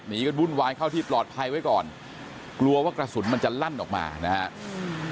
กันวุ่นวายเข้าที่ปลอดภัยไว้ก่อนกลัวว่ากระสุนมันจะลั่นออกมานะครับ